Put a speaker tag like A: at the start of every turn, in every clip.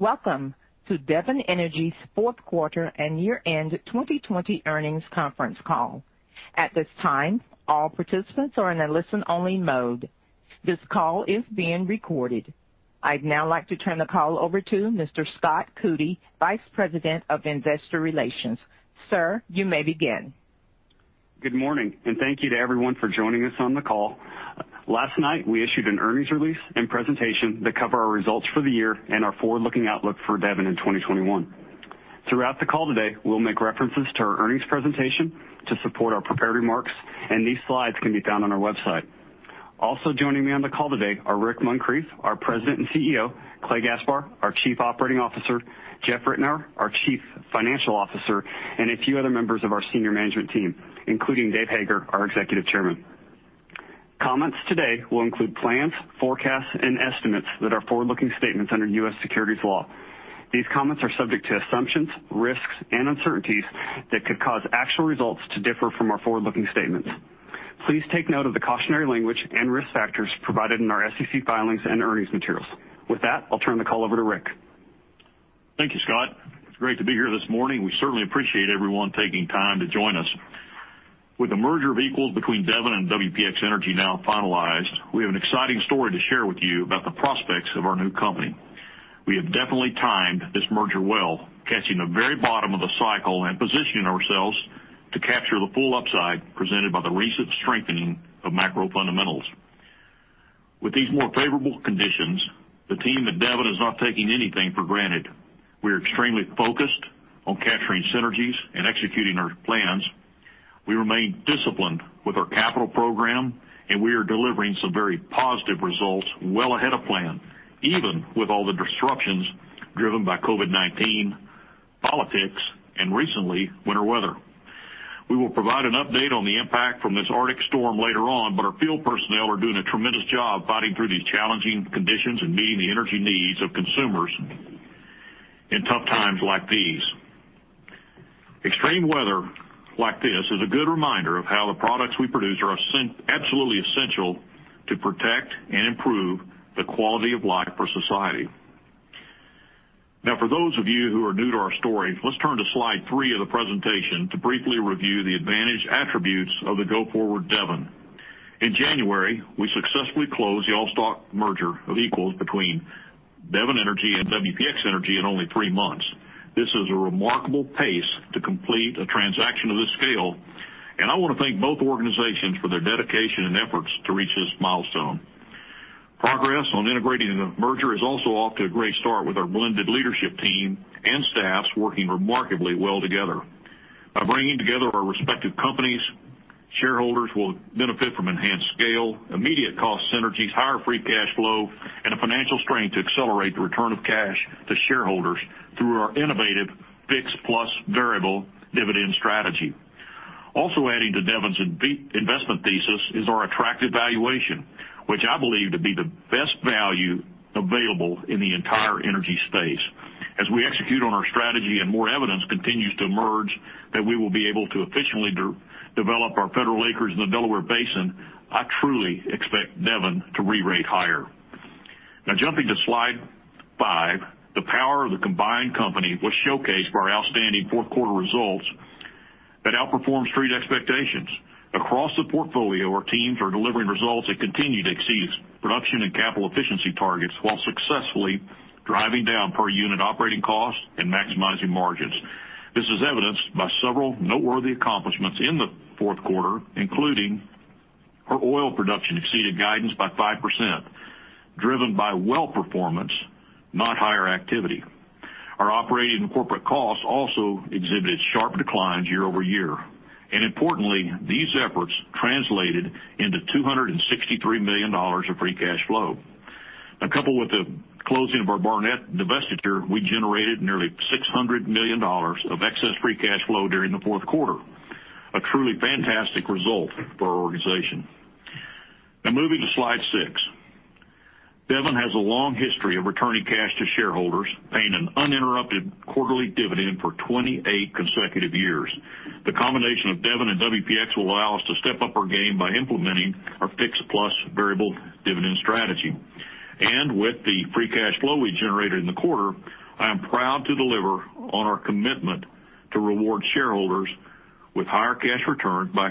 A: Welcome to Devon Energy's fourth quarter and year-end 2020 earnings conference call. At this time, all participants are in a listen-only mode. This call is being recorded. I'd now like to turn the call over to Mr. Scott Coody, Vice President of Investor Relations. Sir, you may begin.
B: Good morning, and thank you to everyone for joining us on the call. Last night, we issued an earnings release and presentation that cover our results for the year and our forward-looking outlook for Devon in 2021. Throughout the call today, we'll make references to our earnings presentation to support our prepared remarks. These slides can be found on our website. Also joining me on the call today are Rick Muncrief, our President and CEO, Clay Gaspar, our Chief Operating Officer, Jeff Ritenour, our Chief Financial Officer, and a few other members of our senior management team, including Dave Hager, our Executive Chairman. Comments today will include plans, forecasts, and estimates that are forward-looking statements under U.S. securities law. These comments are subject to assumptions, risks, and uncertainties that could cause actual results to differ from our forward-looking statements. Please take note of the cautionary language and risk factors provided in our SEC filings and earnings materials. With that, I'll turn the call over to Rick.
C: Thank you, Scott. It's great to be here this morning. We certainly appreciate everyone taking time to join us. With the merger of equals between Devon and WPX Energy now finalized, we have an exciting story to share with you about the prospects of our new company. We have definitely timed this merger well, catching the very bottom of the cycle and positioning ourselves to capture the full upside presented by the recent strengthening of macro fundamentals. With these more favorable conditions, the team at Devon is not taking anything for granted. We are extremely focused on capturing synergies and executing our plans. We remain disciplined with our capital program, and we are delivering some very positive results well ahead of plan, even with all the disruptions driven by COVID-19, politics, and recently, winter weather. We will provide an update on the impact from this Arctic storm later on, but our field personnel are doing a tremendous job fighting through these challenging conditions and meeting the energy needs of consumers in tough times like these. Extreme weather like this is a good reminder of how the products we produce are absolutely essential to protect and improve the quality of life for society. Now, for those of you who are new to our story, let's turn to slide three of the presentation to briefly review the advantage attributes of the go-forward Devon. In January, we successfully closed the all-stock merger of equals between Devon Energy and WPX Energy in only three months. This is a remarkable pace to complete a transaction of this scale, and I want to thank both organizations for their dedication and efforts to reach this milestone. Progress on integrating the merger is also off to a great start with our blended leadership team and staffs working remarkably well together. By bringing together our respective companies, shareholders will benefit from enhanced scale, immediate cost synergies, higher free cash flow, and a financial strength to accelerate the return of cash to shareholders through our innovative fixed plus variable dividend strategy. Adding to Devon's investment thesis is our attractive valuation, which I believe to be the best value available in the entire energy space. As we execute on our strategy and more evidence continues to emerge that we will be able to efficiently develop our federal acres in the Delaware Basin, I truly expect Devon to re-rate higher. Jumping to slide five, the power of the combined company was showcased by our outstanding fourth quarter results that outperformed street expectations. Across the portfolio, our teams are delivering results that continue to exceed production and capital efficiency targets while successfully driving down per-unit operating costs and maximizing margins. This is evidenced by several noteworthy accomplishments in the fourth quarter, including our oil production exceeded guidance by 5%, driven by well performance, not higher activity. Our operating and corporate costs also exhibited sharp declines year-over-year. Importantly, these efforts translated into $263 million of free cash flow. Coupled with the closing of our Barnett divestiture, we generated nearly $600 million of excess free cash flow during the fourth quarter, a truly fantastic result for our organization. Moving to slide six. Devon has a long history of returning cash to shareholders, paying an uninterrupted quarterly dividend for 28 consecutive years. The combination of Devon and WPX will allow us to step up our game by implementing our fixed plus variable dividend strategy. With the free cash flow we generated in the quarter, I am proud to deliver on our commitment to reward shareholders with higher cash return by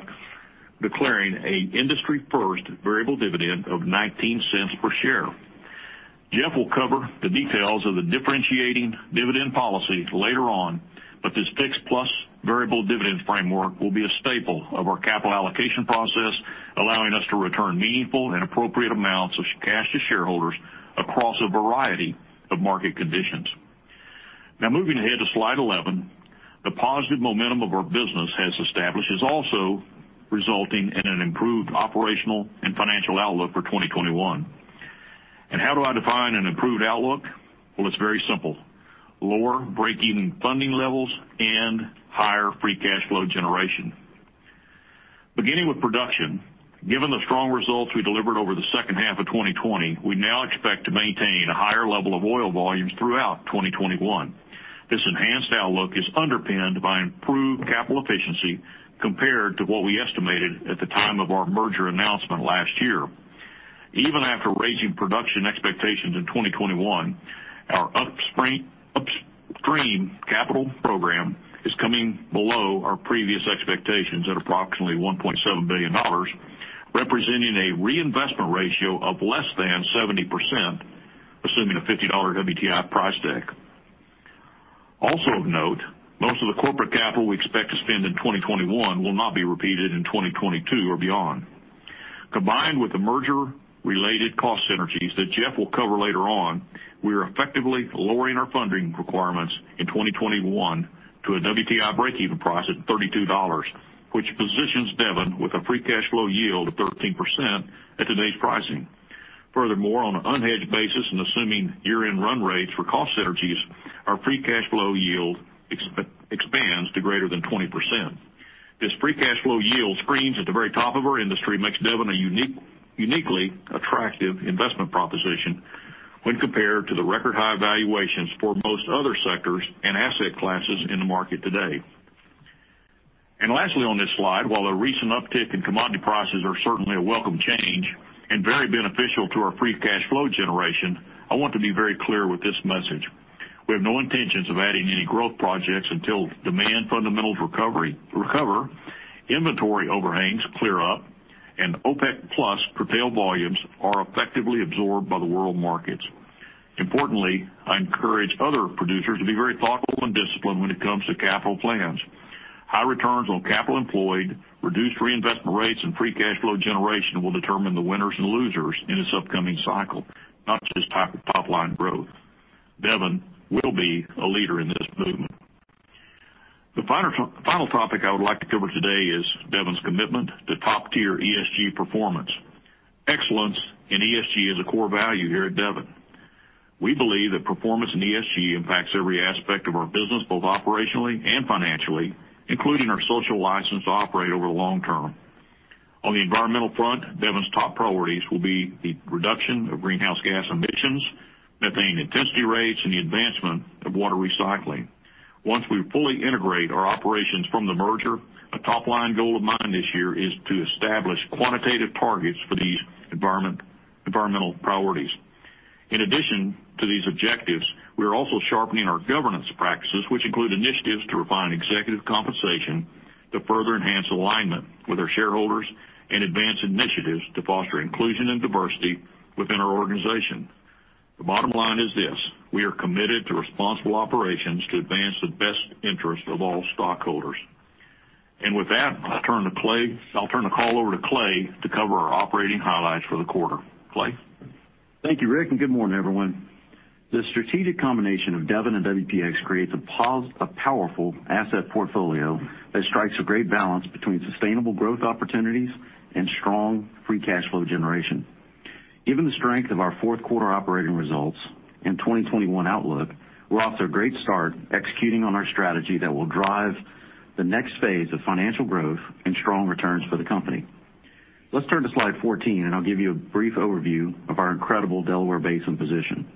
C: declaring a industry-first variable dividend of $0.19 per share. Jeff will cover the details of the differentiating dividend policy later on, but this fixed plus variable dividend framework will be a staple of our capital allocation process, allowing us to return meaningful and appropriate amounts of cash to shareholders across a variety of market conditions. Now moving ahead to slide 11. The positive momentum of our business has established is also resulting in an improved operational and financial outlook for 2021. How do I define an improved outlook? Well, it's very simple. Lower break-even funding levels and higher free cash flow generation. Beginning with production, given the strong results we delivered over the second half of 2020, we now expect to maintain a higher level of oil volumes throughout 2021. This enhanced outlook is underpinned by improved capital efficiency compared to what we estimated at the time of our merger announcement last year. Even after raising production expectations in 2021, our upstream capital program is coming below our previous expectations at approximately $1.7 billion, representing a reinvestment ratio of less than 70%, assuming a $50 WTI price deck. Also of note, most of the corporate capital we expect to spend in 2021 will not be repeated in 2022 or beyond. Combined with the merger-related cost synergies that Jeff will cover later on, we are effectively lowering our funding requirements in 2021 to a WTI breakeven price at $32, which positions Devon with a free cash flow yield of 13% at today's pricing. Furthermore, on an unhedged basis and assuming year-end run rates for cost synergies, our free cash flow yield expands to greater than 20%. This free cash flow yield screens at the very top of our industry, makes Devon a uniquely attractive investment proposition when compared to the record-high valuations for most other sectors and asset classes in the market today. Lastly on this slide, while the recent uptick in commodity prices are certainly a welcome change and very beneficial to our free cash flow generation, I want to be very clear with this message. We have no intentions of adding any growth projects until demand fundamentals recover, inventory overhangs clear up, and OPEC+ curtailed volumes are effectively absorbed by the world markets. Importantly, I encourage other producers to be very thoughtful and disciplined when it comes to capital plans. High returns on capital employed, reduced reinvestment rates, and free cash flow generation will determine the winners and losers in this upcoming cycle, not just top-line growth. Devon will be a leader in this movement. The final topic I would like to cover today is Devon's commitment to top-tier ESG performance. Excellence in ESG is a core value here at Devon. We believe that performance in ESG impacts every aspect of our business, both operationally and financially, including our social license to operate over the long term. On the environmental front, Devon's top priorities will be the reduction of greenhouse gas emissions, methane intensity rates, and the advancement of water recycling. Once we fully integrate our operations from the merger, a top-line goal of mine this year is to establish quantitative targets for these environmental priorities. In addition to these objectives, we are also sharpening our governance practices, which include initiatives to refine executive compensation to further enhance alignment with our shareholders and advance initiatives to foster inclusion and diversity within our organization. The bottom line is this: we are committed to responsible operations to advance the best interest of all stockholders. With that, I'll turn the call over to Clay to cover our operating highlights for the quarter. Clay?
D: Thank you, Rick, and good morning, everyone. The strategic combination of Devon and WPX creates a powerful asset portfolio that strikes a great balance between sustainable growth opportunities and strong free cash flow generation. Given the strength of our fourth quarter operating results and 2021 outlook, we're off to a great start executing on our strategy that will drive the next phase of financial growth and strong returns for the company. Let's turn to slide 14, and I'll give you a brief overview of our incredible Delaware Basin position.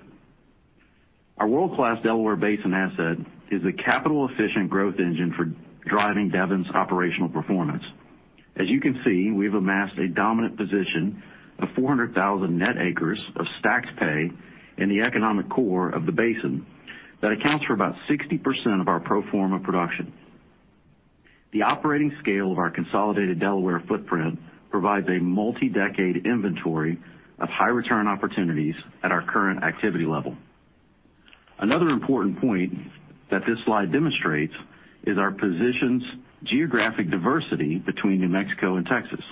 D: Our world-class Delaware Basin asset is a capital-efficient growth engine for driving Devon's operational performance. As you can see, we've amassed a dominant position of 400,000 net acres of stacked pay in the economic core of the basin that accounts for about 60% of our pro forma production. The operating scale of our consolidated Delaware footprint provides a multi-decade inventory of high-return opportunities at our current activity level. Another important point that this slide demonstrates is our position's geographic diversity between New Mexico and Texas.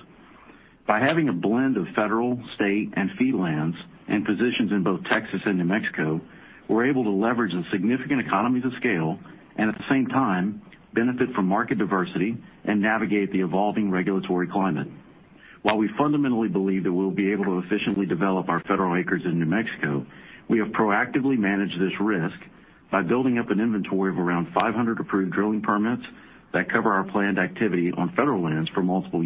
D: By having a blend of federal, state, and fee lands and positions in both Texas and New Mexico, we're able to leverage the significant economies of scale and at the same time benefit from market diversity and navigate the evolving regulatory climate. While we fundamentally believe that we'll be able to efficiently develop our federal acres in New Mexico, we have proactively managed this risk by building up an inventory of around 500 approved drilling permits that cover our planned activity on federal lands for multiple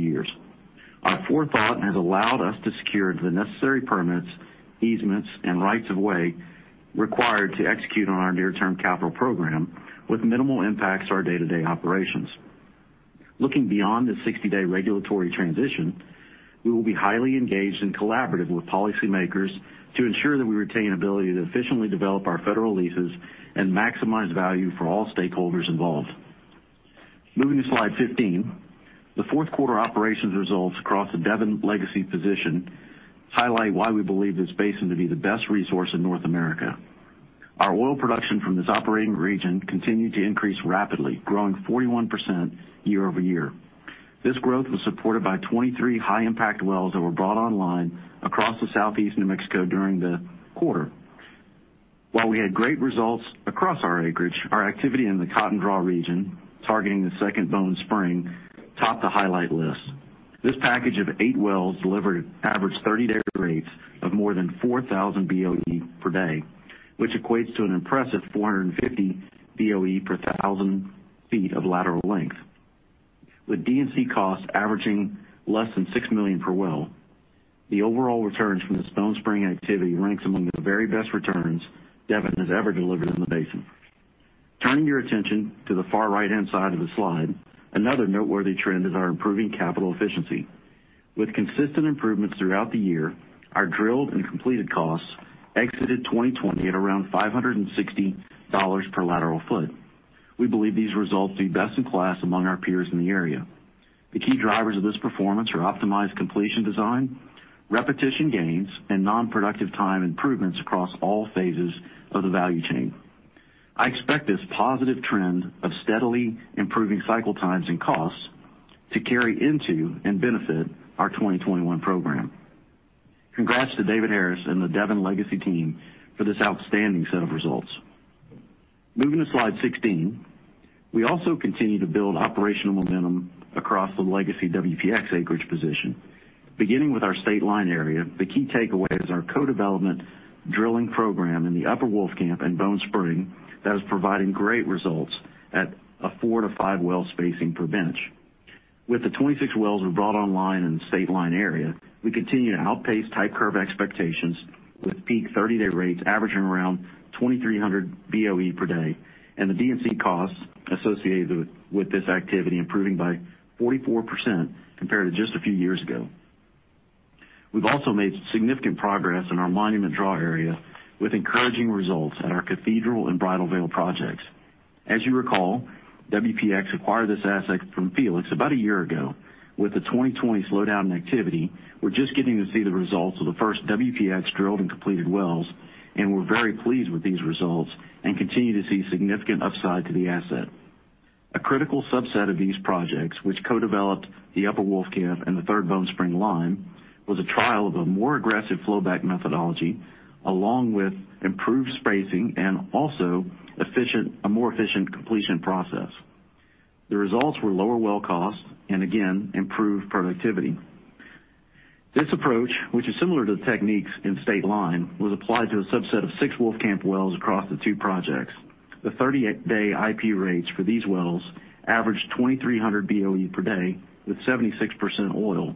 D: years. Our forethought has allowed us to secure the necessary permits, easements, and rights of way required to execute on our near-term capital program with minimal impacts to our day-to-day operations. Looking beyond the 60-day regulatory transition, we will be highly engaged and collaborative with policymakers to ensure that we retain ability to efficiently develop our federal leases and maximize value for all stakeholders involved. Moving to slide 15, the fourth quarter operations results across the Devon legacy position highlight why we believe this basin to be the best resource in North America. Our oil production from this operating region continued to increase rapidly, growing 41% year-over-year. This growth was supported by 23 high-impact wells that were brought online across the Southeast New Mexico during the quarter. While we had great results across our acreage, our activity in the Cotton Draw region, targeting the Second Bone Spring, topped the highlight list. This package of eight wells delivered average 30-day rates of more than 4,000 BOE per day, which equates to an impressive 450 BOE per 1,000 ft of lateral length. With D&C costs averaging less than $6 million per well, the overall returns from this Bone Spring activity ranks among the very best returns Devon has ever delivered in the basin. Turning your attention to the far right-hand side of the slide, another noteworthy trend is our improving capital efficiency. With consistent improvements throughout the year, our drilled and completed costs exited 2020 at around $560 per lateral foot. We believe these results to be best in class among our peers in the area. The key drivers of this performance are optimized completion design, repetition gains, and non-productive time improvements across all phases of the value chain. I expect this positive trend of steadily improving cycle times and costs to carry into and benefit our 2021 program. Congrats to David Harris and the Devon legacy team for this outstanding set of results. Moving to slide 16. We also continue to build operational momentum across the legacy WPX acreage position. Beginning with our Stateline area, the key takeaway is our co-development drilling program in the Upper Wolfcamp and Bone Spring that is providing great results at a four to five well spacing per bench. With the 26 wells we've brought online in the Stateline area, we continue to outpace type curve expectations with peak 30-day rates averaging around 2,300 BOE per day, and the D&C costs associated with this activity improving by 44% compared to just a few years ago. We've also made significant progress in our Monument Draw area with encouraging results at our Cathedral and Bridal Veil projects. As you recall, WPX acquired this asset from Felix about a year ago. With the 2020 slowdown in activity, we're just getting to see the results of the first WPX drilled and completed wells, and we're very pleased with these results and continue to see significant upside to the asset. A critical subset of these projects, which co-developed the Upper Wolfcamp and the Third Bone Spring lime, was a trial of a more aggressive flowback methodology along with improved spacing and also a more efficient completion process. The results were lower well costs, and again, improved productivity. This approach, which is similar to the techniques in Stateline, was applied to a subset of six Wolfcamp wells across the two projects. The 30-day IP rates for these wells averaged 2,300 BOE per day with 76% oil.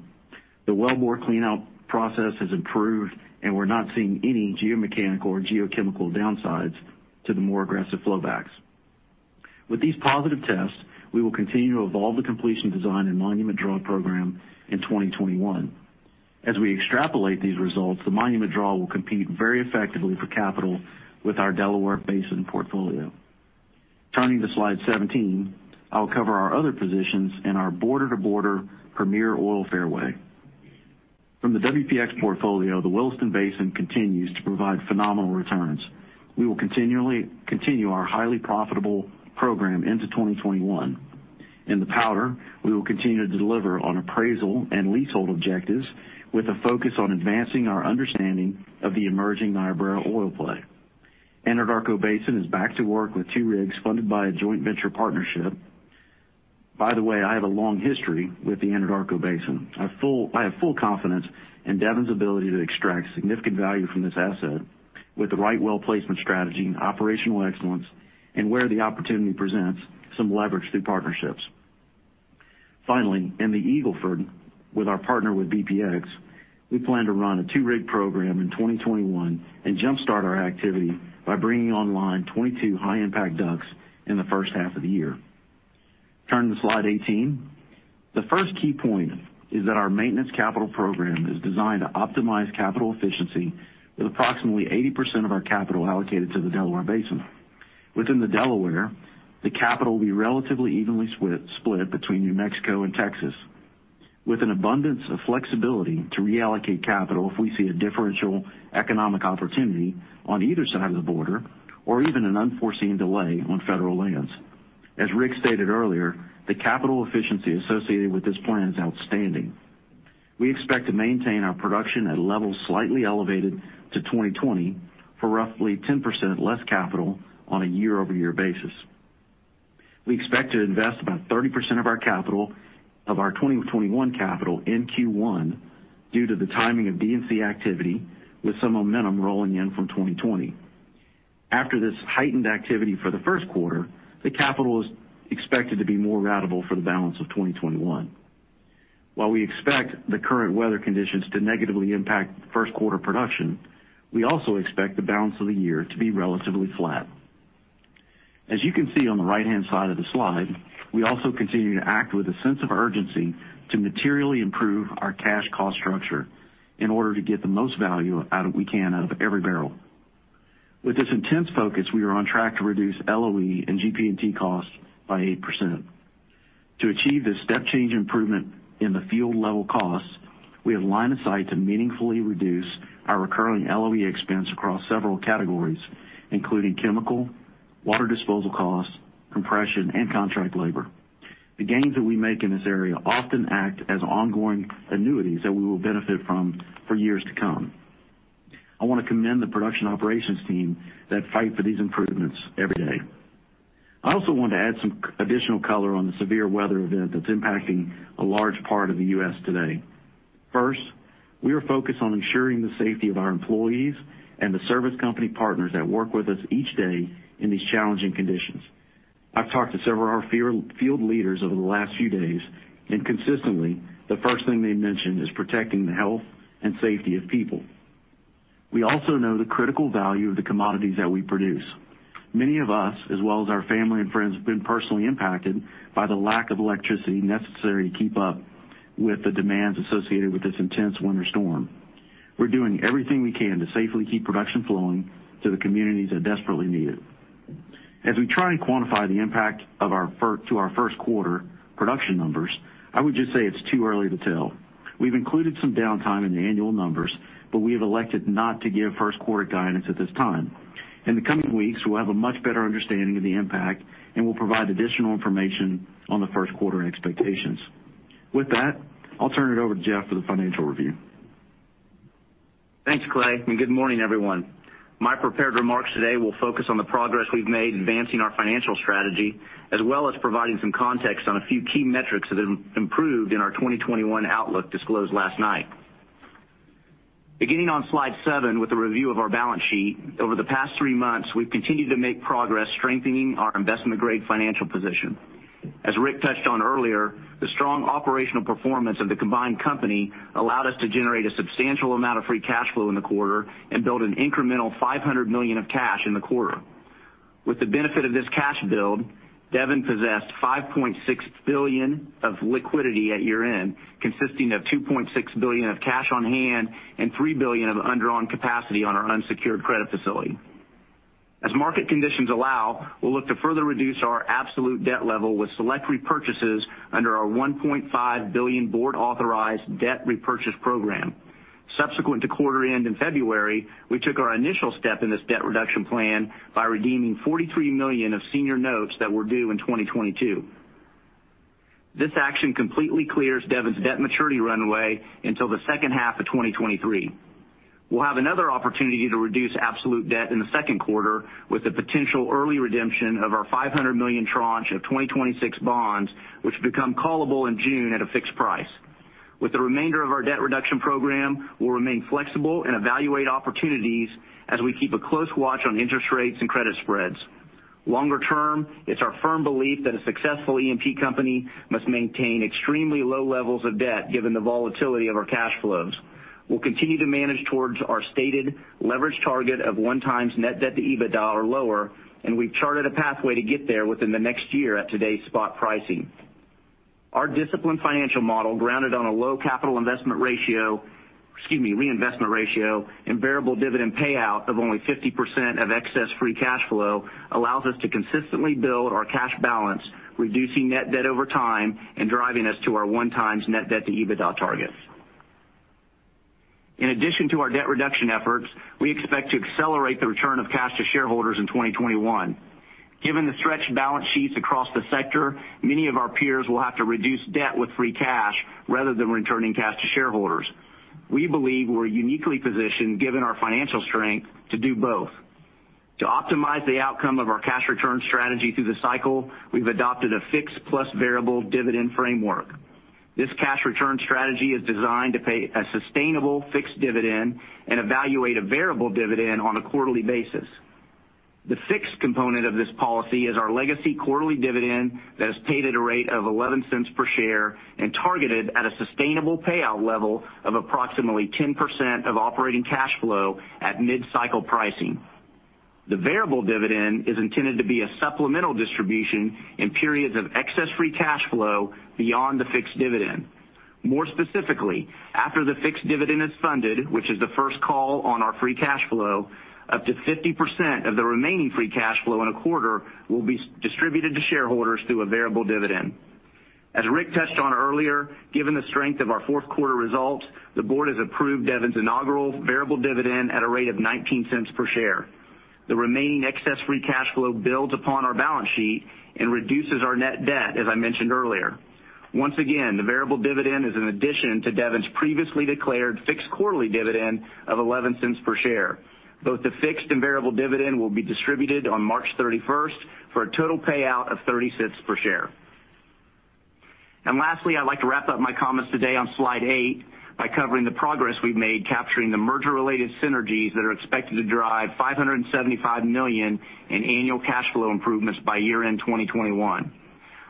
D: The wellbore cleanout process has improved, and we're not seeing any geomechanical or geochemical downsides to the more aggressive flowbacks. With these positive tests, we will continue to evolve the completion design and Monument Draw program in 2021. As we extrapolate these results, the Monument Draw will compete very effectively for capital with our Delaware Basin portfolio. Turning to slide 17, I'll cover our other positions in our border-to-border premier oil fairway. From the WPX portfolio, the Williston Basin continues to provide phenomenal returns. We will continue our highly profitable program into 2021. In the Powder, we will continue to deliver on appraisal and leasehold objectives with a focus on advancing our understanding of the emerging Niobrara oil play. Anadarko Basin is back to work with two rigs funded by a joint venture partnership. By the way, I have a long history with the Anadarko Basin. I have full confidence in Devon's ability to extract significant value from this asset with the right well placement strategy and operational excellence, and where the opportunity presents, some leverage through partnerships. Finally, in the Eagle Ford, with our partner with BPX, we plan to run a two-rig program in 2021 and jumpstart our activity by bringing online 22 high-impact DUCs in the first half of the year. Turn to slide 18. The first key point is that our maintenance capital program is designed to optimize capital efficiency with approximately 80% of our capital allocated to the Delaware Basin. Within the Delaware, the capital will be relatively evenly split between New Mexico and Texas. With an abundance of flexibility to reallocate capital if we see a differential economic opportunity on either side of the border or even an unforeseen delay on federal lands. As Rick stated earlier, the capital efficiency associated with this plan is outstanding. We expect to maintain our production at levels slightly elevated to 2020 for roughly 10% less capital on a year-over-year basis. We expect to invest about 30% of our 2021 capital in Q1 due to the timing of D&C activity, with some momentum rolling in from 2020. After this heightened activity for the first quarter, the capital is expected to be more ratable for the balance of 2021. While we expect the current weather conditions to negatively impact first quarter production, we also expect the balance of the year to be relatively flat. As you can see on the right-hand side of the slide, we also continue to act with a sense of urgency to materially improve our cash cost structure in order to get the most value out we can out of every barrel. With this intense focus, we are on track to reduce LOE and GP&T costs by 8%. To achieve this step change improvement in the field level costs, we have line of sight to meaningfully reduce our recurring LOE expense across several categories, including chemical, water disposal costs, compression, and contract labor. The gains that we make in this area often act as ongoing annuities that we will benefit from for years to come. I want to commend the production operations team that fight for these improvements every day. I also want to add some additional color on the severe weather event that's impacting a large part of the U.S. today. First, we are focused on ensuring the safety of our employees and the service company partners that work with us each day in these challenging conditions. I've talked to several of our field leaders over the last few days. Consistently, the first thing they mention is protecting the health and safety of people. We also know the critical value of the commodities that we produce. Many of us, as well as our family and friends, have been personally impacted by the lack of electricity necessary to keep up with the demands associated with this intense winter storm. We're doing everything we can to safely keep production flowing to the communities that desperately need it. As we try and quantify the impact to our first quarter production numbers, I would just say it's too early to tell. We've included some downtime in the annual numbers. We have elected not to give first quarter guidance at this time. In the coming weeks, we'll have a much better understanding of the impact, and we'll provide additional information on the first quarter expectations. With that, I'll turn it over to Jeff for the financial review.
E: Thanks, Clay, and good morning, everyone. My prepared remarks today will focus on the progress we've made advancing our financial strategy, as well as providing some context on a few key metrics that have improved in our 2021 outlook disclosed last night. Beginning on slide seven with a review of our balance sheet, over the past three months, we've continued to make progress strengthening our investment-grade financial position. As Rick touched on earlier, the strong operational performance of the combined company allowed us to generate a substantial amount of free cash flow in the quarter and build an incremental $500 million of cash in the quarter. With the benefit of this cash build, Devon possessed $5.6 billion of liquidity at year-end, consisting of $2.6 billion of cash on hand and $3 billion of undrawn capacity on our unsecured credit facility. As market conditions allow, we'll look to further reduce our absolute debt level with select repurchases under our $1.5 billion board-authorized debt repurchase program. Subsequent to quarter-end in February, we took our initial step in this debt reduction plan by redeeming $43 million of senior notes that were due in 2022. This action completely clears Devon's debt maturity runway until the second half of 2023. We'll have another opportunity to reduce absolute debt in the second quarter with the potential early redemption of our $500 million tranche of 2026 bonds, which become callable in June at a fixed price. With the remainder of our debt reduction program, we'll remain flexible and evaluate opportunities as we keep a close watch on interest rates and credit spreads. Longer term, it's our firm belief that a successful E&P company must maintain extremely low levels of debt, given the volatility of our cash flows. We'll continue to manage towards our stated leverage target of one times net debt to EBITDA or lower, and we've charted a pathway to get there within the next year at today's spot pricing. Our disciplined financial model, grounded on a low capital reinvestment ratio and variable dividend payout of only 50% of excess free cash flow, allows us to consistently build our cash balance, reducing net debt over time and driving us to our one times net debt to EBITDA targets. In addition to our debt reduction efforts, we expect to accelerate the return of cash to shareholders in 2021. Given the stretched balance sheets across the sector, many of our peers will have to reduce debt with free cash rather than returning cash to shareholders. We believe we're uniquely positioned, given our financial strength, to do both. To optimize the outcome of our cash return strategy through the cycle, we've adopted a fixed plus variable dividend framework. This cash return strategy is designed to pay a sustainable fixed dividend and evaluate a variable dividend on a quarterly basis. The fixed component of this policy is our legacy quarterly dividend that is paid at a rate of $0.11 per share and targeted at a sustainable payout level of approximately 10% of operating cash flow at mid-cycle pricing. The variable dividend is intended to be a supplemental distribution in periods of excess free cash flow beyond the fixed dividend. More specifically, after the fixed dividend is funded, which is the first call on our free cash flow, up to 50% of the remaining free cash flow in a quarter will be distributed to shareholders through a variable dividend. As Rick touched on earlier, given the strength of our fourth quarter results, the board has approved Devon's inaugural variable dividend at a rate of $0.19 per share. The remaining excess free cash flow builds upon our balance sheet and reduces our net debt, as I mentioned earlier. Once again, the variable dividend is an addition to Devon's previously declared fixed quarterly dividend of $0.11 per share. Both the fixed and variable dividend will be distributed on March 31st for a total payout of $0.30 per share. Lastly, I'd like to wrap up my comments today on slide eight by covering the progress we've made capturing the merger-related synergies that are expected to drive $575 million in annual cash flow improvements by year-end 2021.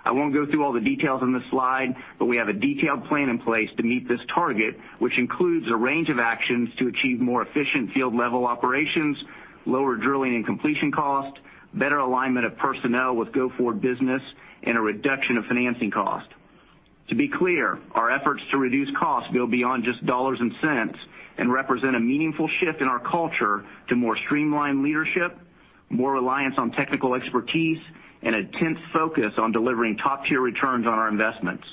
E: I won't go through all the details on this slide, but we have a detailed plan in place to meet this target, which includes a range of actions to achieve more efficient field-level operations, lower drilling and completion cost, better alignment of personnel with go-forward business, and a reduction of financing cost. To be clear, our efforts to reduce costs go beyond just dollars and cents and represent a meaningful shift in our culture to more streamlined leadership, more reliance on technical expertise, and intense focus on delivering top-tier returns on our investments.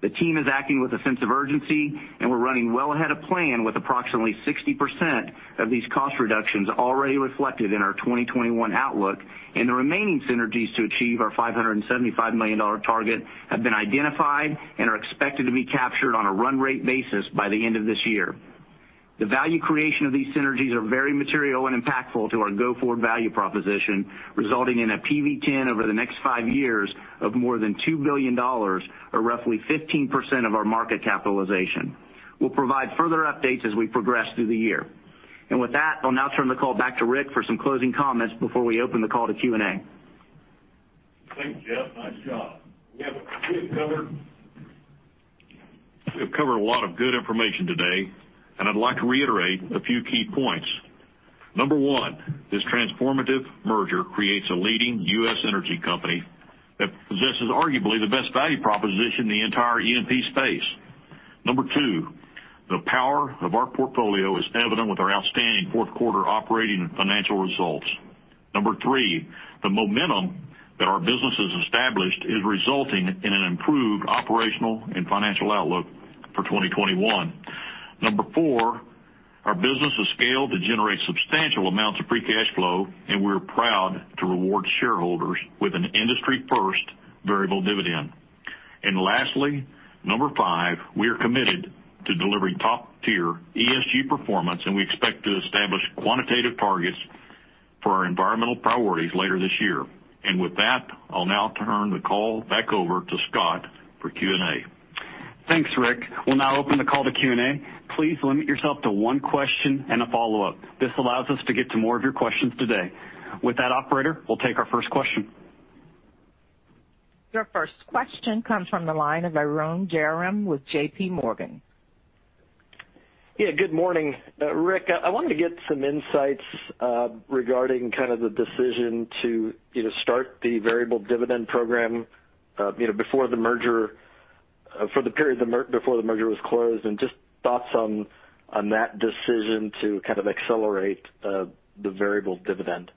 E: The team is acting with a sense of urgency. We're running well ahead of plan with approximately 60% of these cost reductions already reflected in our 2021 outlook. The remaining synergies to achieve our $575 million target have been identified and are expected to be captured on a run-rate basis by the end of this year. The value creation of these synergies are very material and impactful to our go-forward value proposition, resulting in a PV-10 over the next five years of more than $2 billion, or roughly 15% of our market capitalization. We'll provide further updates as we progress through the year. With that, I'll now turn the call back to Rick for some closing comments before we open the call to Q&A.
C: Thanks, Jeff. Nice job. Yeah, good cover. We've covered a lot of good information today, and I'd like to reiterate a few key points. Number one, this transformative merger creates a leading U.S. energy company that possesses arguably the best value proposition in the entire E&P space. Number two, the power of our portfolio is evident with our outstanding fourth quarter operating and financial results. Number three, the momentum that our business has established is resulting in an improved operational and financial outlook for 2021. Number four, our business has scaled to generate substantial amounts of free cash flow, and we're proud to reward shareholders with an industry-first variable dividend. Lastly, Number five, we are committed to delivering top-tier ESG performance, and we expect to establish quantitative targets for our environmental priorities later this year. With that, I'll now turn the call back over to Scott for Q&A.
B: Thanks, Rick. We'll now open the call to Q&A. Please limit yourself to one question and a follow-up. This allows us to get to more of your questions today. With that operator, we'll take our first question.
A: Your first question comes from the line of Arun Jayaram with JPMorgan.
F: Yeah. Good morning. Rick, I wanted to get some insights regarding kind of the decision to start the variable dividend program for the period before the merger was closed, and just thoughts on that decision to kind of accelerate the variable dividend.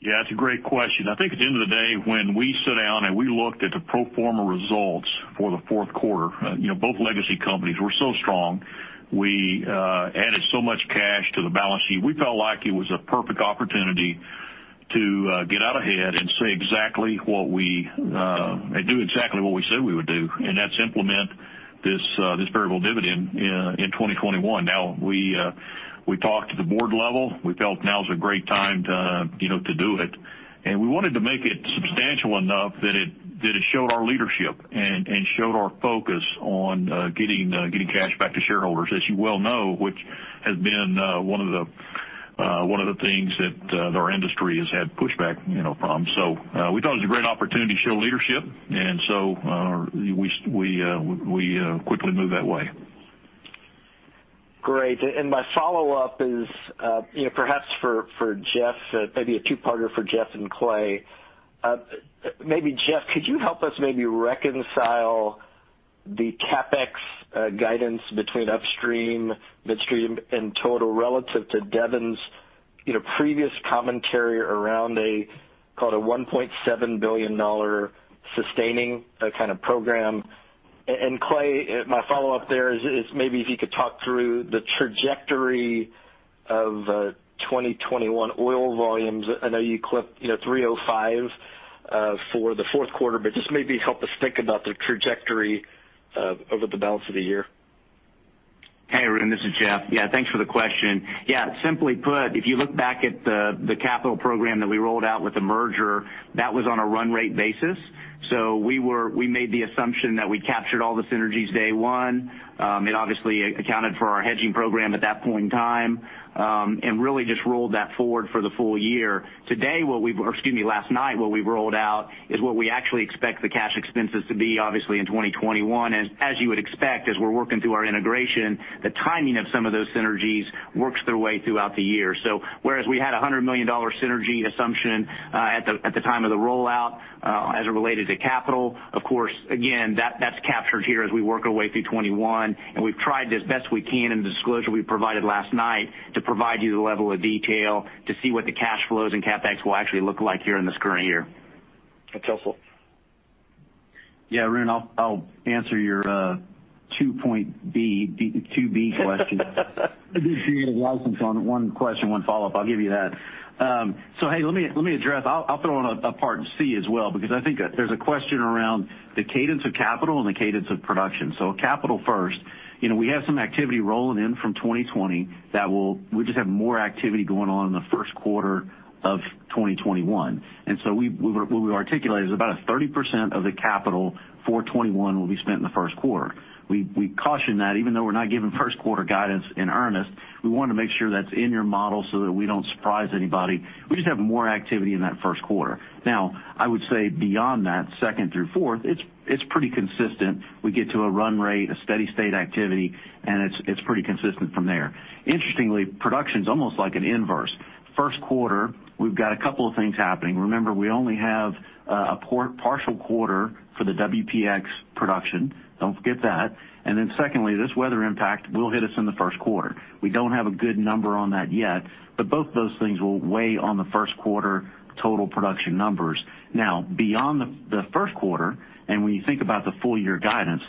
C: It's a great question. I think at the end of the day, when we sit down and we looked at the pro forma results for the fourth quarter, both legacy companies were so strong. We added so much cash to the balance sheet. We felt like it was a perfect opportunity to get out ahead and do exactly what we said we would do, and that's implement this variable dividend in 2021. We talked at the board level. We felt now's a great time to do it, and we wanted to make it substantial enough that it showed our leadership and showed our focus on getting cash back to shareholders, as you well know, which has been one of the things that our industry has had pushback from. We thought it was a great opportunity to show leadership, and we quickly moved that way.
F: Great. My follow-up is perhaps for Jeff, maybe a two-parter for Jeff and Clay. Maybe Jeff, could you help us maybe reconcile the CapEx guidance between upstream, midstream, and total relative to Devon's previous commentary around a, call it $1.7 billion sustaining kind of program? Clay, my follow-up there is maybe if you could talk through the trajectory of 2021 oil volumes. I know you clipped 305 for the fourth quarter, but just maybe help us think about the trajectory over the balance of the year.
E: Hey, Arun, this is Jeff. Yeah, thanks for the question. Yeah, simply put, if you look back at the capital program that we rolled out with the merger, that was on a run rate basis. We made the assumption that we captured all the synergies day one. It obviously accounted for our hedging program at that point in time, and really just rolled that forward for the full year. Last night, what we rolled out is what we actually expect the cash expenses to be obviously in 2021. As you would expect, as we're working through our integration, the timing of some of those synergies works their way throughout the year. Whereas we had a $100 million synergy assumption at the time of the rollout as it related to capital, of course, again, that's captured here as we work our way through 2021. We've tried as best we can in the disclosure we provided last night to provide you the level of detail to see what the cash flows and CapEx will actually look like here in this current year.
F: That's helpful.
D: Yeah, Arun, I'll answer your 2b question. You did get a license on one question, one follow-up, I'll give you that. Hey, let me address. I'll put on a part C as well, because I think there's a question around the cadence of capital and the cadence of production. Capital first. We have some activity rolling in from 2020 that we just have more activity going on in the first quarter of 2021. What we articulated is about 30% of the capital for 2021 will be spent in the first quarter. We caution that even though we're not giving first quarter guidance in earnest, we want to make sure that's in your model so that we don't surprise anybody. We just have more activity in that first quarter. I would say beyond that, second through fourth, it's pretty consistent. We get to a run rate, a steady state activity, and it's pretty consistent from there. Interestingly, production's almost like an inverse. First quarter, we've got a couple of things happening. Remember, we only have a partial quarter for the WPX production. Don't forget that. Secondly, this weather impact will hit us in the first quarter. We don't have a good number on that yet, but both of those things will weigh on the first quarter total production numbers. Beyond the first quarter, and when you think about the full-year guidance,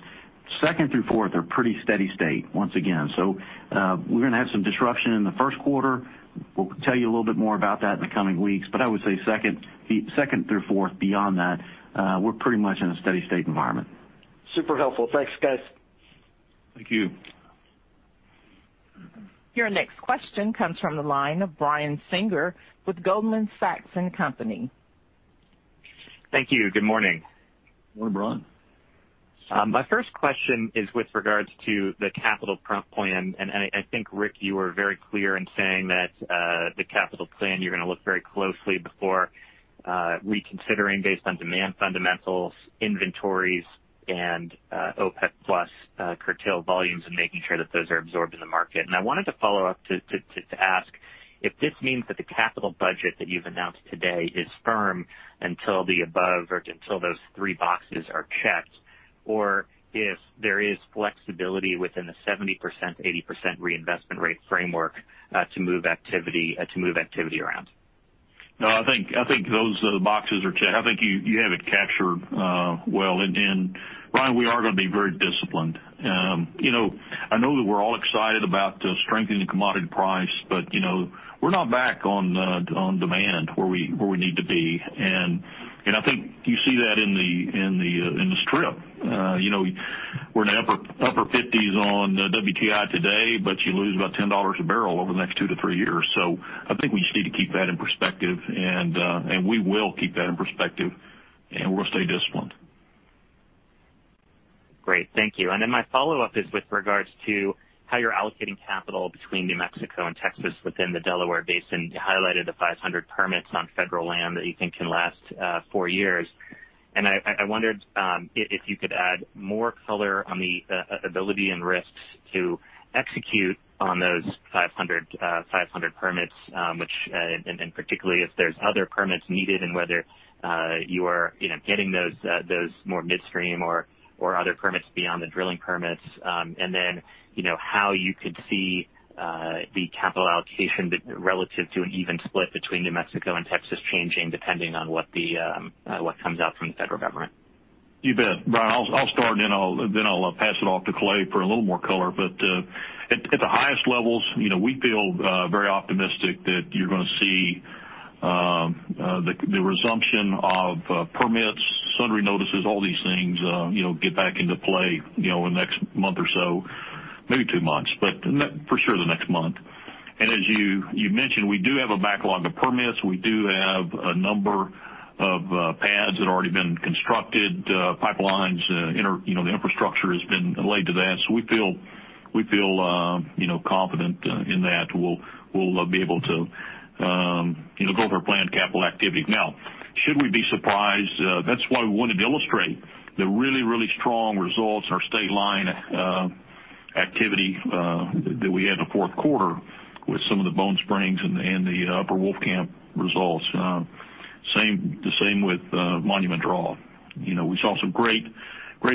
D: second through fourth are pretty steady state once again. We're going to have some disruption in the first quarter. We'll tell you a little bit more about that in the coming weeks. I would say second through fourth beyond that, we're pretty much in a steady state environment.
F: Super helpful. Thanks, guys.
C: Thank you.
A: Your next question comes from the line of Brian Singer with Goldman Sachs & Company.
G: Thank you. Good morning.
C: Good morning, Brian.
G: My first question is with regards to the capital plan. I think, Rick, you were very clear in saying that the capital plan, you're going to look very closely before reconsidering based on demand fundamentals, inventories, and OPEC+ curtail volumes and making sure that those are absorbed in the market. I wanted to follow up to ask if this means that the capital budget that you've announced today is firm until the above or until those three boxes are checked, or if there is flexibility within the 70%-80% reinvestment rate framework to move activity around.
C: No, I think those boxes are checked. I think you have it captured well. Brian, we are going to be very disciplined. I know that we're all excited about the strengthening commodity price, but we're not back on demand where we need to be. I think you see that in the strip. We're in the upper 50s on WTI today, but you lose about $10 a barrel over the next two to three years. I think we just need to keep that in perspective, and we will keep that in perspective, and we'll stay disciplined.
G: Great. Thank you. My follow-up is with regards to how you're allocating capital between New Mexico and Texas within the Delaware Basin. You highlighted the 500 permits on federal land that you think can last four years. I wondered if you could add more color on the ability and risks to execute on those 500 permits, and particularly if there's other permits needed and whether you are getting those more midstream or other permits beyond the drilling permits. How you could see the capital allocation relative to an even split between New Mexico and Texas changing depending on what comes out from the federal government.
C: You bet, Brian. I'll start. I'll pass it off to Clay for a little more color. At the highest levels, we feel very optimistic that you're going to see the resumption of permits, sundry notices, all these things get back into play in the next month or so, maybe two months, for sure the next month. As you mentioned, we do have a backlog of permits. We do have a number of pads that have already been constructed, pipelines, the infrastructure has been laid to that. We feel confident in that. We'll be able to go over our planned capital activity. Now, should we be surprised? That's why we wanted to illustrate the really strong results in our state line activity that we had in the fourth quarter with some of the Bone Spring and the Upper Wolfcamp results. The same with Monument Draw. We saw some great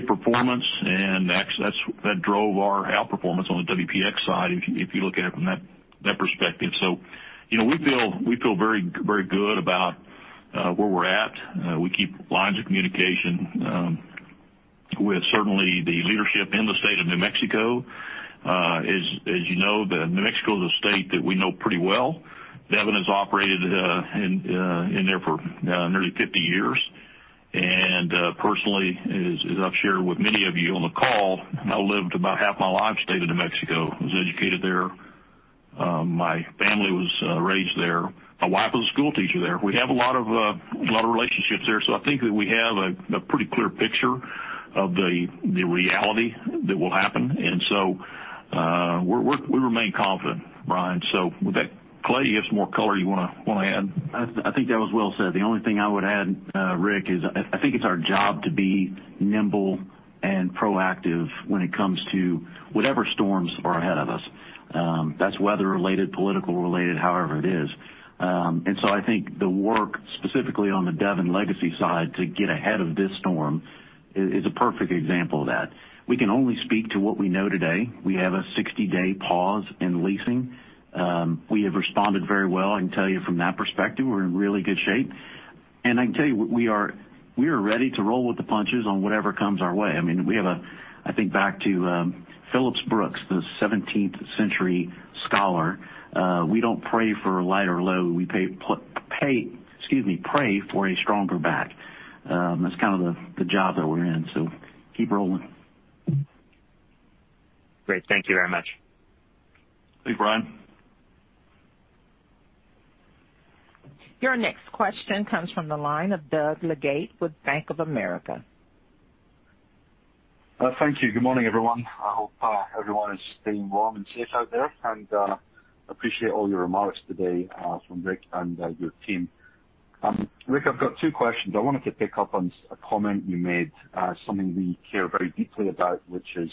C: performance, that drove our outperformance on the WPX side, if you look at it from that perspective. We feel very good about where we're at. We keep lines of communication with certainly the leadership in the state of New Mexico. As you know, New Mexico is a state that we know pretty well. Devon has operated in there for nearly 50 years. Personally, as I've shared with many of you on the call, I lived about half my life in the state of New Mexico. I was educated there. My family was raised there. My wife was a school teacher there. We have a lot of relationships there. I think that we have a pretty clear picture of the reality that will happen. We remain confident, Brian. With that, Clay, you have some more color you want to add?
D: I think that was well said. The only thing I would add, Rick, is I think it's our job to be nimble and proactive when it comes to whatever storms are ahead of us. That's weather related, political related, however it is. I think the work specifically on the Devon Legacy side to get ahead of this storm is a perfect example of that. We can only speak to what we know today. We have a 60-day pause in leasing. We have responded very well, I can tell you from that perspective, we're in really good shape. I can tell you, we are ready to roll with the punches on whatever comes our way. I think back to Phillips Brooks, the 17th century scholar. We don't pray for light or low, we pray for a stronger back. That's kind of the job that we're in. Keep rolling.
G: Great. Thank you very much.
C: Thank you, Brian.
A: Your next question comes from the line of Doug Leggate with Bank of America.
H: Thank you. Good morning, everyone. I hope everyone is staying warm and safe out there, and appreciate all your remarks today from Rick and your team. Rick, I've got two questions. I wanted to pick up on a comment you made, something we care very deeply about, which is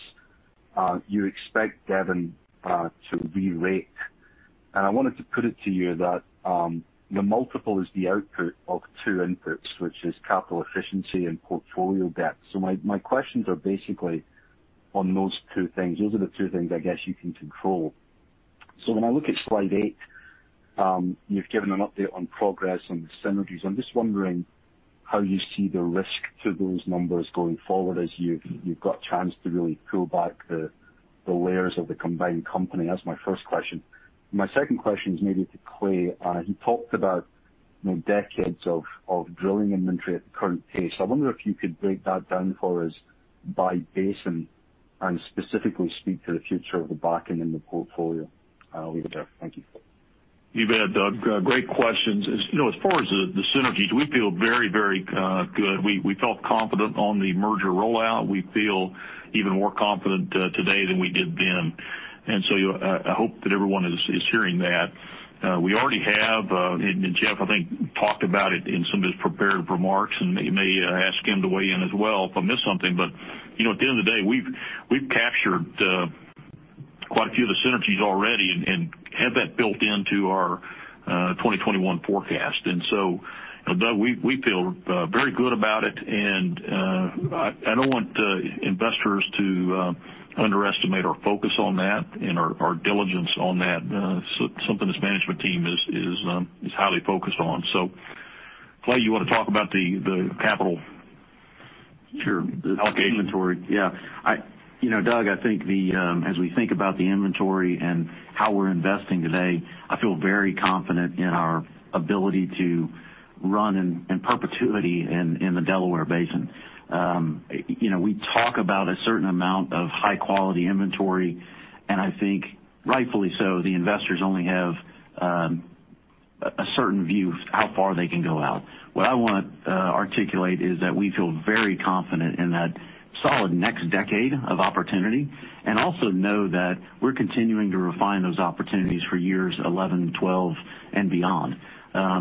H: you expect Devon to re-rate. I wanted to put it to you that your multiple is the output of two inputs, which is capital efficiency and portfolio debt. My questions are basically on those two things. Those are the two things I guess you can control. When I look at slide eight, you've given an update on progress on the synergies. I'm just wondering how you see the risk to those numbers going forward as you've got a chance to really peel back the layers of the combined company. That's my first question. My second question is maybe to Clay. He talked about decades of drilling inventory at the current pace. I wonder if you could break that down for us by basin and specifically speak to the future of the Powder River in the portfolio over there. Thank you.
C: You bet, Doug. Great questions. As far as the synergies, we feel very good. We felt confident on the merger rollout. We feel even more confident today than we did then. I hope that everyone is hearing that. We already have, and Jeff, I think, talked about it in some of his prepared remarks, and you may ask him to weigh in as well if I miss something. At the end of the day, we've captured quite a few of the synergies already and have that built into our 2021 forecast. Doug, we feel very good about it, and I don't want investors to underestimate our focus on that and our diligence on that. Something this management team is highly focused on. Clay, you want to talk about the capital?
D: Sure. Inventory. Yeah, Doug, I think as we think about the inventory and how we're investing today, I feel very confident in our ability to run in perpetuity in the Delaware Basin. We talk about a certain amount of high-quality inventory, and I think rightfully so, the investors only have a certain view of how far they can go out. What I want to articulate is that we feel very confident in that solid next decade of opportunity, and also know that we're continuing to refine those opportunities for years 11, 12, and beyond.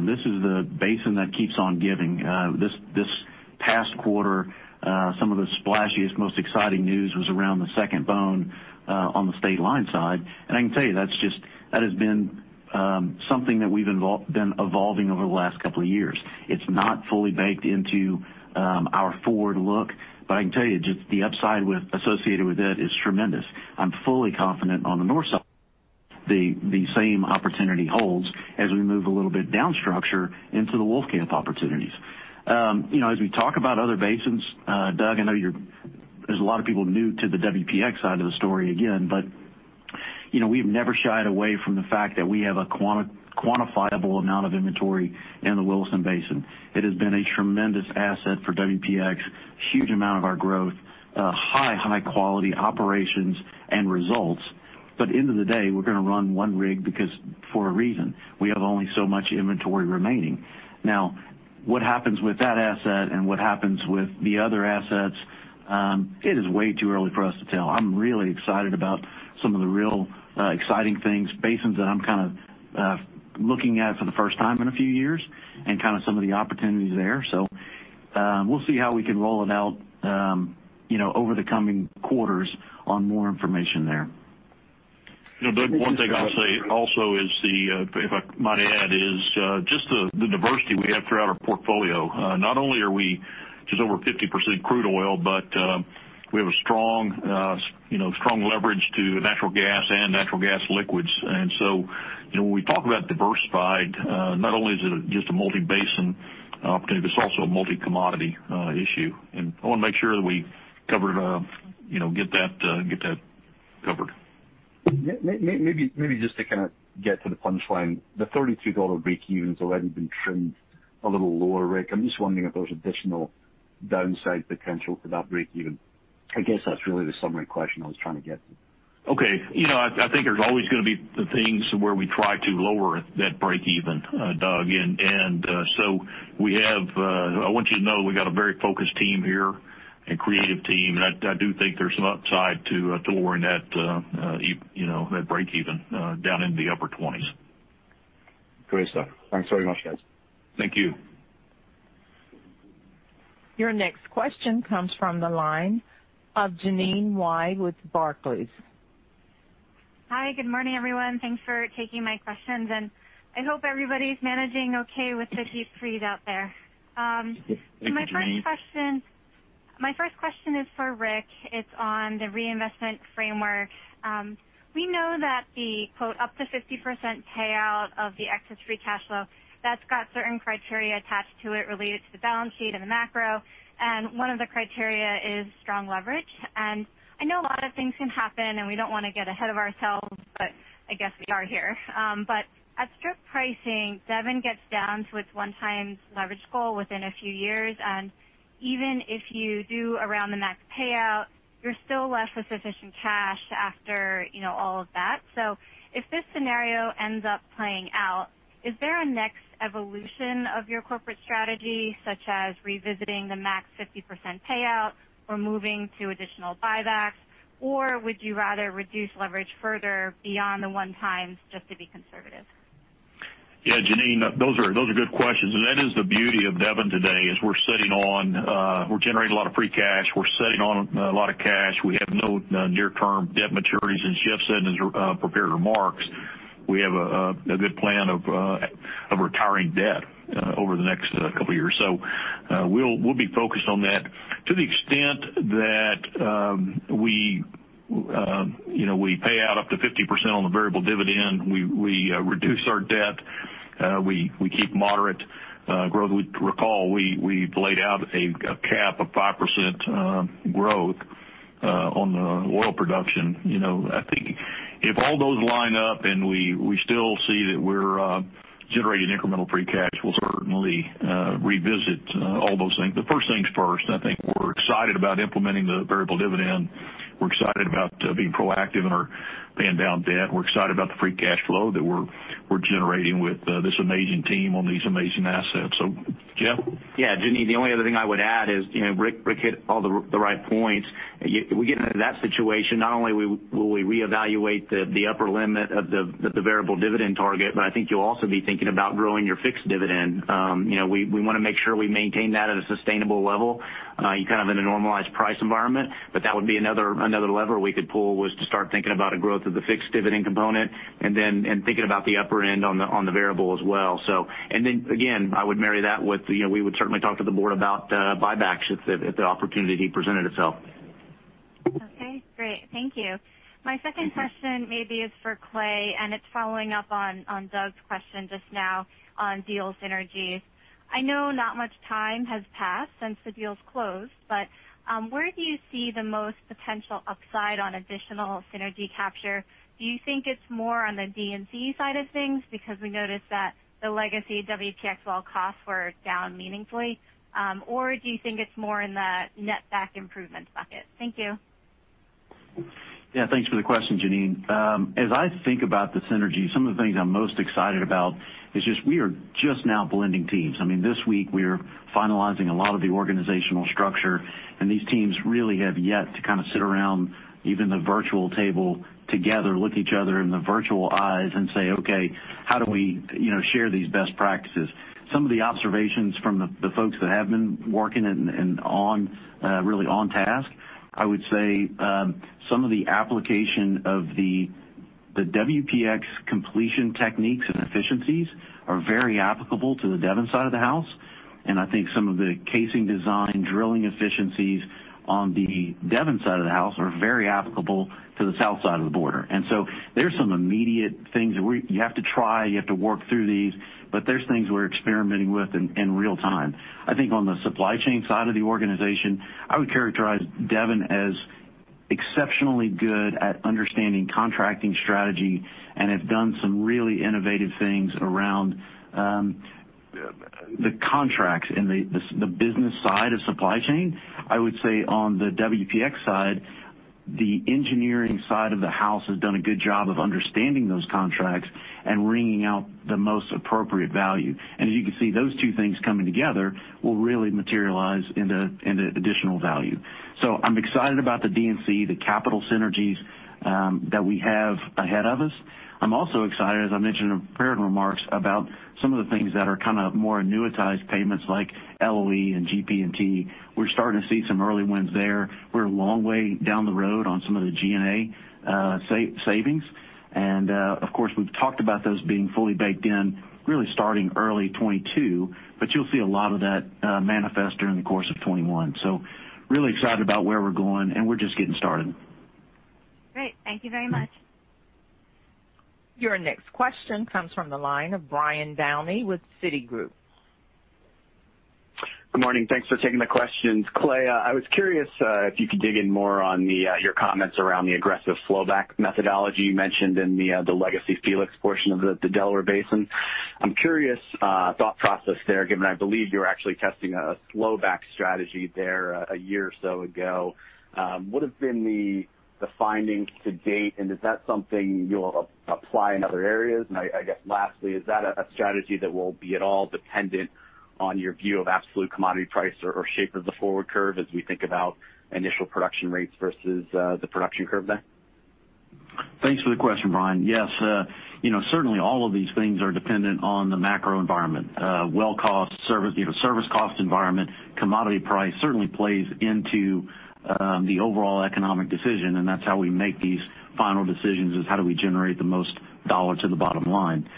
D: This is the basin that keeps on giving. This past quarter, some of the splashiest, most exciting news was around the Second Bone on the state line side. I can tell you, that has been something that we've been evolving over the last couple of years. It's not fully baked into our forward look, but I can tell you, just the upside associated with it is tremendous. I'm fully confident on the north side, the same opportunity holds as we move a little bit down structure into the Wolfcamp opportunities. As we talk about other basins, Doug, I know there's a lot of people new to the WPX side of the story again, but we've never shied away from the fact that we have a quantifiable amount of inventory in the Williston Basin. It has been a tremendous asset for WPX, huge amount of our growth, high quality operations and results. At the end of the day, we're going to run one rig because for a reason, we have only so much inventory remaining. Now, what happens with that asset and what happens with the other assets, it is way too early for us to tell. I'm really excited about some of the real exciting things, basins that I'm looking at for the first time in a few years, and some of the opportunities there. We'll see how we can roll it out over the coming quarters on more information there.
C: Doug, one thing I'd say also, if I might add, is just the diversity we have throughout our portfolio. Not only are we just over 50% crude oil, but we have a strong leverage to natural gas and natural gas liquids. When we talk about diversified, not only is it just a multi-basin opportunity, but it's also a multi-commodity issue. I want to make sure that we get that covered.
H: Maybe just to get to the punchline, the $32 breakeven's already been trimmed a little lower, Rick. I'm just wondering if there's additional downside potential to that breakeven. I guess that's really the summary question I was trying to get to.
C: Okay. I think there's always going to be the things where we try to lower that breakeven, Doug. I want you to know we've got a very focused team here and creative team, and I do think there's some upside to lowering that breakeven down into the upper 20s.
H: Great stuff. Thanks very much, guys.
C: Thank you.
A: Your next question comes from the line of Jeanine Wai with Barclays.
I: Hi, good morning, everyone. Thanks for taking my questions. I hope everybody's managing okay with the heat for you out there.
C: Thank you, Jeanine.
I: My first question is for Rick. It's on the reinvestment framework. We know that the quote, up to 50% payout of the excess free cash flow, that's got certain criteria attached to it related to the balance sheet and the macro, and one of the criteria is strong leverage. I know a lot of things can happen, and we don't want to get ahead of ourselves, but I guess we are here. At strip pricing, Devon gets down to its 1x leverage goal within a few years, and even if you do around the max payout, you're still left with sufficient cash after all of that. If this scenario ends up playing out, is there a next evolution of your corporate strategy, such as revisiting the max 50% payout or moving to additional buybacks? Would you rather reduce leverage further beyond the one times just to be conservative?
C: Yeah, Jeanine, those are good questions, and that is the beauty of Devon today, is we're generating a lot of free cash. We're sitting on a lot of cash. We have no near-term debt maturities. As Jeff said in his prepared remarks, we have a good plan of retiring debt over the next couple years. We'll be focused on that to the extent that we pay out up to 50% on the variable dividend. We reduce our debt. We keep moderate growth. Recall, we've laid out a cap of 5% growth on the oil production. I think if all those line up and we still see that we're generating incremental free cash, we'll certainly revisit all those things. First things first, I think. We're excited about implementing the variable dividend. We're excited about being proactive in our paying down debt. We're excited about the free cash flow that we're generating with this amazing team on these amazing assets. Jeff?
E: Yeah, Jeanine, the only other thing I would add is Rick hit all the right points. We get into that situation, not only will we reevaluate the upper limit of the variable dividend target, but I think you'll also be thinking about growing your fixed dividend. We want to make sure we maintain that at a sustainable level, kind of in a normalized price environment. That would be another lever we could pull, was to start thinking about a growth of the fixed dividend component and thinking about the upper end on the variable as well. Again, I would marry that with, we would certainly talk to the board about buybacks if the opportunity presented itself.
I: Okay, great. Thank you. My second question maybe is for Clay, and it's following up on Doug's question just now on deal synergies. I know not much time has passed since the deal's closed, but where do you see the most potential upside on additional synergy capture? Do you think it's more on the D&C side of things? We noticed that the legacy WPX well costs were down meaningfully. Do you think it's more in the net back improvement bucket? Thank you.
D: Thanks for the question, Jeanine. As I think about the synergy, some of the things I'm most excited about is just, we are just now blending teams. This week, we are finalizing a lot of the organizational structure. These teams really have yet to kind of sit around even the virtual table together, look each other in the virtual eyes and say, "Okay, how do we share these best practices?" Some of the observations from the folks that have been working and really on task, I would say some of the application of the WPX completion techniques and efficiencies are very applicable to the Devon side of the house. I think some of the casing design, drilling efficiencies on the Devon side of the house are very applicable to the south side of the border. There's some immediate things that you have to try. You have to work through these, but there's things we're experimenting with in real time. I think on the supply chain side of the organization, I would characterize Devon as exceptionally good at understanding contracting strategy and have done some really innovative things around the contracts in the business side of supply chain. I would say on the WPX side, the engineering side of the house has done a good job of understanding those contracts and wringing out the most appropriate value. As you can see, those two things coming together will really materialize into additional value. I'm excited about the D&C, the capital synergies that we have ahead of us. I'm also excited, as I mentioned in the prepared remarks, about some of the things that are kind of more annuitized payments like LOE and GP&T. We're starting to see some early wins there. We're a long way down the road on some of the G&A savings, and of course, we've talked about those being fully baked in really starting early 2022, but you'll see a lot of that manifest during the course of 2021. Really excited about where we're going, and we're just getting started.
I: Great. Thank you very much.
A: Your next question comes from the line of Brian Downey with Citigroup.
J: Good morning. Thanks for taking the questions. Clay, I was curious if you could dig in more on your comments around the aggressive flowback methodology you mentioned in the legacy Felix portion of the Delaware Basin. I'm curious, thought process there, given I believe you were actually testing a flowback strategy there a year or so ago. What have been the findings to date, and is that something you'll apply in other areas? I guess lastly, is that a strategy that will be at all dependent on your view of absolute commodity price or shape of the forward curve as we think about initial production rates versus the production curve there?
D: Thanks for the question, Brian. Yes. Certainly, all of these things are dependent on the macro environment. Well cost, service cost environment, commodity price certainly plays into the overall economic decision, and that's how we make these final decisions, is how do we generate the most dollar to the bottom line.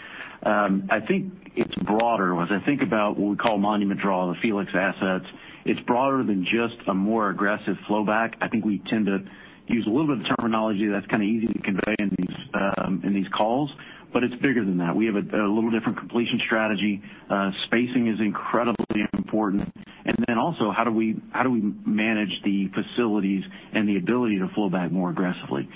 D: I think it's broader. As I think about what we call Monument Draw, the Felix assets, it's broader than just a more aggressive flowback. I think we tend to use a little bit of terminology that's kind of easy to convey in these calls, but it's bigger than that. We have a little different completion strategy. Spacing is incredibly important. And then also, how do we manage the facilities and the ability to flow back more aggressively?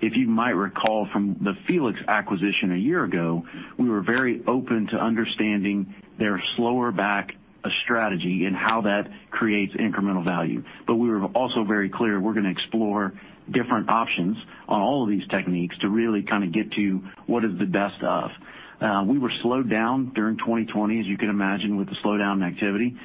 D: If you might recall from the Felix Energy acquisition a year ago, we were very open to understanding their slower back strategy and how that creates incremental value. We were also very clear we're going to explore different options on all of these techniques to really kind of get to what is the best of. We were slowed down during 2020, as you can imagine, with the slowdown in activity,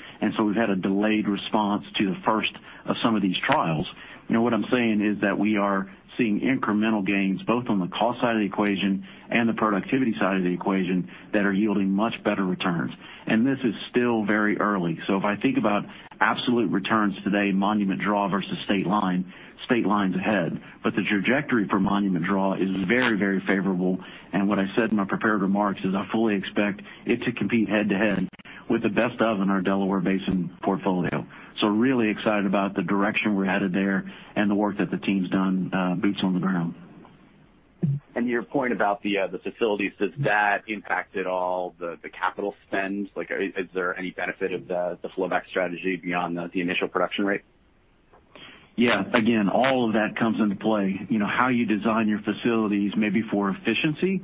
D: we've had a delayed response to the first of some of these trials. What I'm saying is that we are seeing incremental gains, both on the cost side of the equation and the productivity side of the equation, that are yielding much better returns. This is still very early. If I think about absolute returns today, Monument Draw versus State Line, State Line's ahead. The trajectory for Monument Draw is very favorable. What I said in my prepared remarks is I fully expect it to compete head-to-head with the best of in our Delaware Basin portfolio. Really excited about the direction we're headed there and the work that the team's done, boots on the ground.
J: Your point about the facilities, has that impacted all the capital spends? Is there any benefit of the flowback strategy beyond the initial production rate?
D: Yeah. Again, all of that comes into play. How you design your facilities, maybe for efficiency.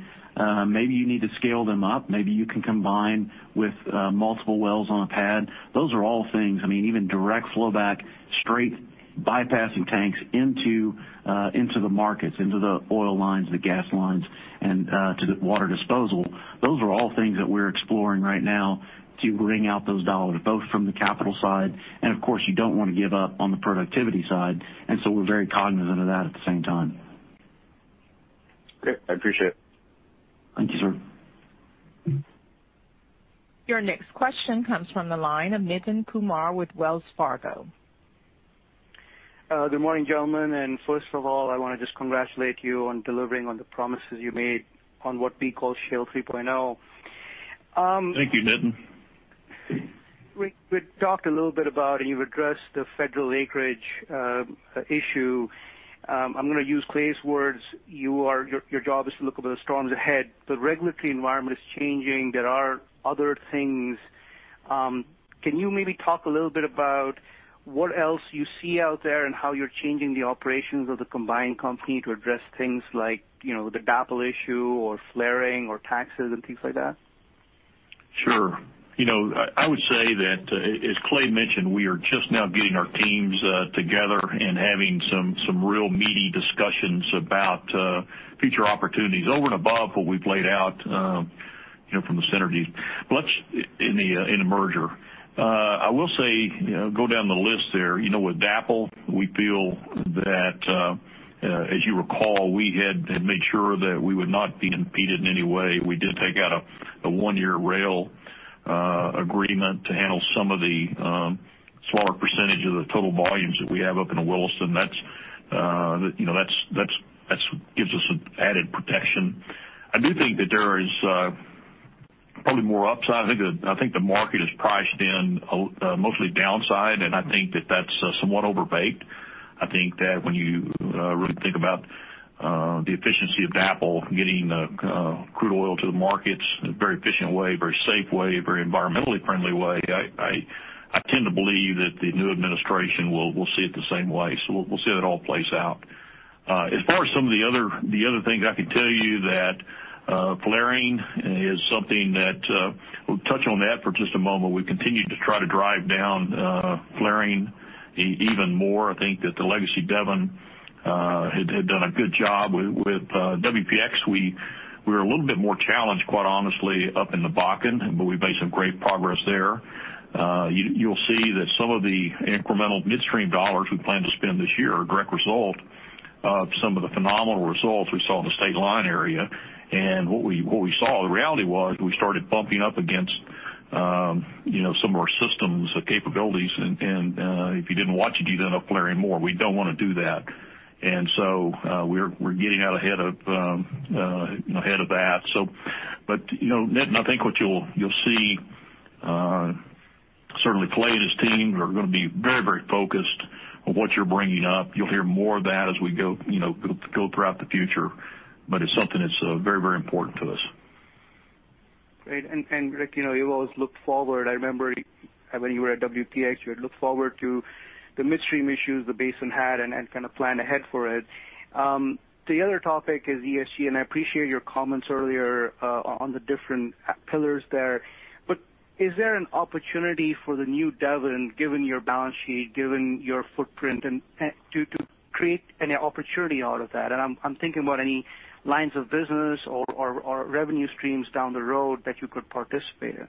D: Maybe you need to scale them up. Maybe you can combine with multiple wells on a pad. Those are all things. Even direct flow back, straight bypassing tanks into the markets, into the oil lines, the gas lines, and to the water disposal. Those are all things that we're exploring right now to wring out those dollars, both from the capital side, and of course, you don't want to give up on the productivity side. We're very cognizant of that at the same time.
J: Great. I appreciate it.
D: Thank you, sir.
A: Your next question comes from the line of Nitin Kumar with Wells Fargo.
K: Good morning, gentlemen. First of all, I want to just congratulate you on delivering on the promises you made on what we call Shale 3.0.
C: Thank you, Nitin.
K: We talked a little bit about, and you've addressed the federal acreage issue. I'm going to use Clay's words, your job is to look for the storms ahead. The regulatory environment is changing. There are other things. Can you maybe talk a little bit about what else you see out there and how you're changing the operations of the combined company to address things like, the DAPL issue or flaring or taxes and things like that?
C: Sure. I would say that, as Clay mentioned, we are just now getting our teams together and having some real meaty discussions about future opportunities over and above what we've laid out from the synergies in the merger. I will say, go down the list there. With DAPL, we feel that, as you recall, we had made sure that we would not be impeded in any way. We did take out a one-year rail agreement to handle some of the smaller percentage of the total volumes that we have up in the Williston. That gives us added protection. I do think that there is probably more upside. I think the market is priced in mostly downside, and I think that that's somewhat overbaked. I think that when you really think about the efficiency of DAPL getting the crude oil to the markets in a very efficient way, very safe way, very environmentally friendly way, I tend to believe that the new administration will see it the same way. We'll see how that all plays out. As far as some of the other things, I could tell you that flaring is something that we'll touch on that for just a moment. We've continued to try to drive down flaring even more. I think that the legacy Devon had done a good job. With WPX, we were a little bit more challenged, quite honestly, up in the Bakken, but we've made some great progress there. You'll see that some of the incremental midstream dollars we plan to spend this year are a direct result of some of the phenomenal results we saw in the state line area. What we saw, the reality was we started bumping up against some more systems of capabilities, and if you didn't watch it, you'd end up flaring more. We don't want to do that. We're getting out ahead of that. Nitin, I think what you'll see, certainly Clay and his team are going to be very focused on what you're bringing up. You'll hear more of that as we go throughout the future, but it's something that's very important to us.
K: Great. Rick, you always looked forward. I remember when you were at WPX, you had looked forward to the midstream issues the basin had and kind of planned ahead for it. The other topic is ESG. I appreciate your comments earlier on the different pillars there. Is there an opportunity for the new Devon, given your balance sheet, given your footprint, to create any opportunity out of that? I'm thinking about any lines of business or revenue streams down the road that you could participate in.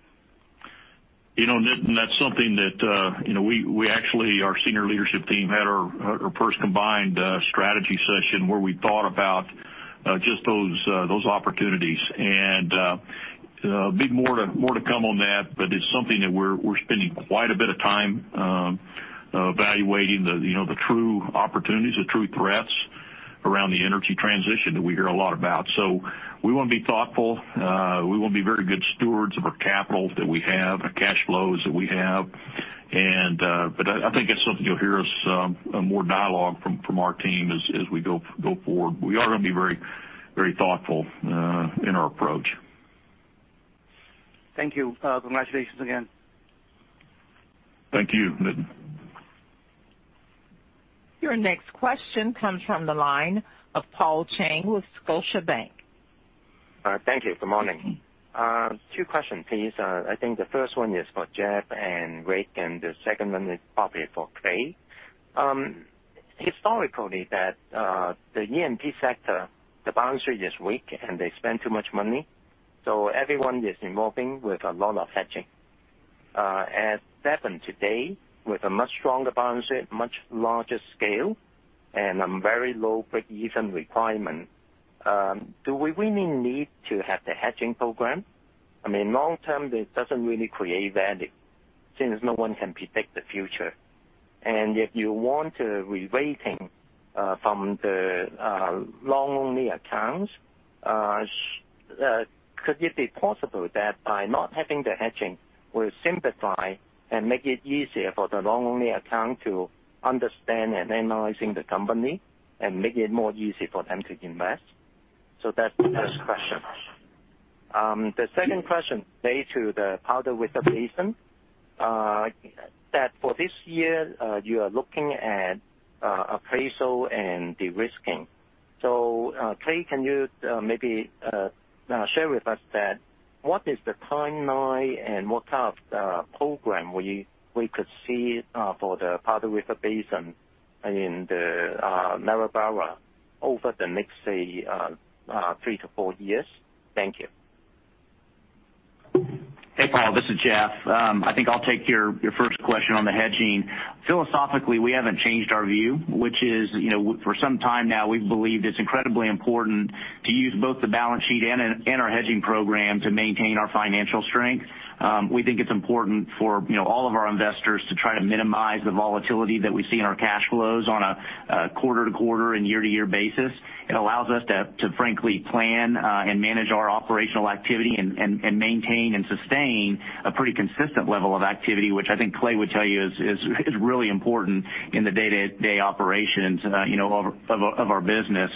C: Nitin, that's something that our senior leadership team had our first combined strategy session where we thought about just those opportunities. Be more to come on that. It's something that we're spending quite a bit of time evaluating the true opportunities, the true threats around the energy transition that we hear a lot about. We want to be thoughtful. We want to be very good stewards of our capital that we have, the cash flows that we have. I think it's something you'll hear us more dialogue from our team as we go forward. We are going to be very thoughtful in our approach.
K: Thank you. Congratulations again.
C: Thank you, Nitin.
A: Your next question comes from the line of Paul Cheng with Scotiabank.
L: Thank you. Good morning. Two questions, please. I think the first one is for Jeff and Rick, and the second one is probably for Clay. Historically, that the E&P sector, the balance sheet is weak, and they spend too much money. Everyone is involving with a lot of hedging. As Devon today, with a much stronger balance sheet, much larger scale, and a very low break-even requirement, do we really need to have the hedging program? Long term, it doesn't really create value since no one can predict the future. If you want a re-rating from the long-only accounts, could it be possible that by not having the hedging will simplify and make it easier for the long-only account to understand and analyzing the company and make it more easy for them to invest? That's the first question. The second question relate to the Powder River Basin, that for this year, you are looking at appraisal and de-risking. Clay, can you maybe share with us what is the timeline and what kind of program we could see for the Powder River Basin in the Niobrara over the next, say, three to four years? Thank you.
E: Hey, Paul, this is Jeff. I think I'll take your first question on the hedging. Philosophically, we haven't changed our view, which is for some time now, we've believed it's incredibly important to use both the balance sheet and our hedging program to maintain our financial strength. We think it's important for all of our investors to try to minimize the volatility that we see in our cash flows on a quarter-to-quarter and year-to-year basis. It allows us to frankly plan and manage our operational activity and maintain and sustain a pretty consistent level of activity, which I think Clay would tell you is really important in the day-to-day operations of our business.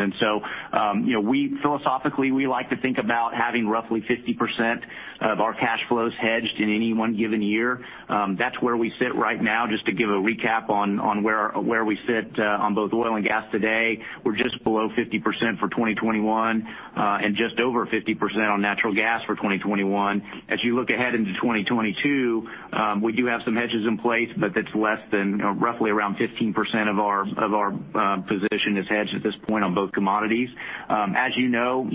E: Philosophically, we like to think about having roughly 50% of our cash flows hedged in any one given year. That's where we sit right now. Just to give a recap on where we sit on both oil and gas today, we're just below 50% for 2021, and just over 50% on natural gas for 2021. As you look ahead into 2022, we do have some hedges in place, but that's less than roughly around 15% of our position is hedged at this point on both commodities. As you know,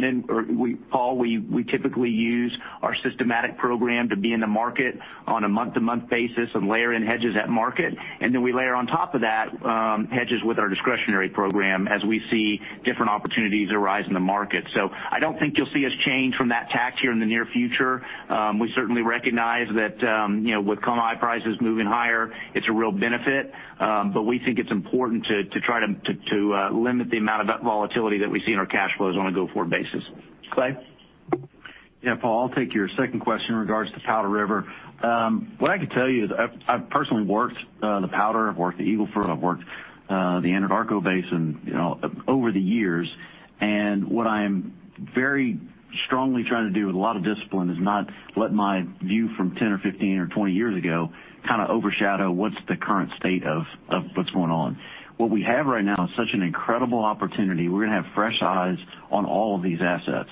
E: Paul, we typically use our systematic program to be in the market on a month-to-month basis and layer in hedges at market, and then we layer on top of that hedges with our discretionary program as we see different opportunities arise in the market. I don't think you'll see us change from that tact here in the near future. We certainly recognize that with commodity prices moving higher, it's a real benefit. We think it's important to try to limit the amount of that volatility that we see in our cash flows on a go-forward basis. Clay?
D: Yeah, Paul, I'll take your second question in regards to Powder River. What I can tell you is I've personally worked the Powder, I've worked the Eagle Ford, I've worked the Anadarko Basin over the years. What I am very strongly trying to do with a lot of discipline is not let my view from 10 or 15 or 20 years ago kind of overshadow what's the current state of what's going on. What we have right now is such an incredible opportunity. We're going to have fresh eyes on all of these assets.